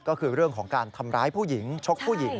ก็คือเรื่องของการทำร้ายผู้หญิงชกผู้หญิง